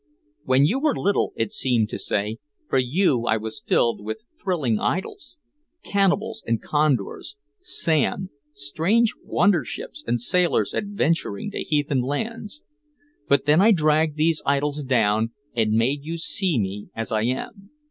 "When you were little," it seemed to say, "for you I was filled with thrilling idols cannibals and condors, Sam, strange wonder ships and sailors adventuring to heathen lands. But then I dragged these idols down and made you see me as I am.